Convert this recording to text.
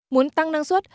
muốn tăng năng suất